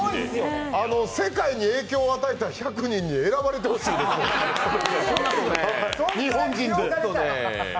世界に影響を与えた１００人に選ばれてほしいですよ、日本人で。